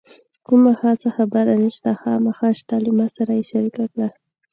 کومه خاصه خبره نشته، خامخا شته له ما سره یې شریکه کړه.